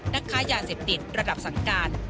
นักค้ายาเสพติดระดับสังการ